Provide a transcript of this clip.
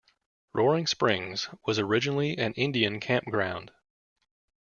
Roaring Springs was originally an Indian campground.